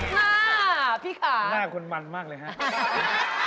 ค่ะพี่ค่ะหน้าคนมันมากเลยฮะ